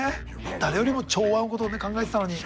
誰よりも調和のことを考えてたのに。